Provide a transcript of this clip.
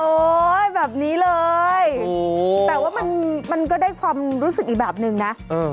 โอ้ยแบบนี้เลยโอ้แต่ว่ามันมันก็ได้ความรู้สึกอีกแบบหนึ่งนะเออ